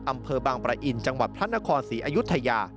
อำเภอบางปะอินจังหวัดพระนครศรีอยุธยา